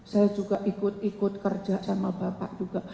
saya juga ikut ikut kerja sama bapak juga